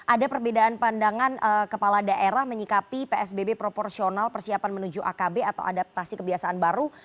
ada perbedaan pandangan kepala daerah menyikapi psbb proporsional persiapan menuju akb atau adaptasi kebiasaan baru